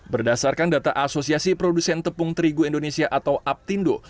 berdasarkan data asosiasi produsen tepung terigu indonesia atau aptindo